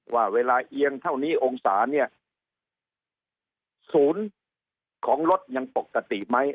ว่าเวลาเอียงเท่านี้องศาเนี่ยศูนย์ของรถยังปกติไหม